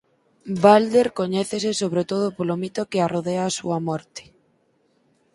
Balder coñécese sobre todo polo mito que arrodea á súa morte.